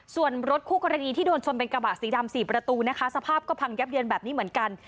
ส่วนรถคู่กรณีที่โดนชนเป็นกระบะสีดำ๔ประตูนะคะสภาพก็พังยับเยินแบบนี้เหมือนกัน